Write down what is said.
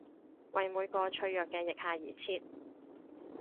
為每個脆弱嘅腋下而設！